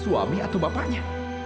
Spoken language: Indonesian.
suami atau bapaknya